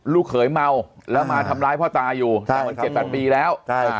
ลูกเขยเมาแล้วมาทำร้ายพ่อตาอยู่๗๐๐๐ปีแล้ว